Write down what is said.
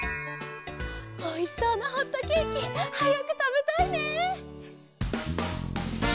おいしそうなホットケーキはやくたべたいね！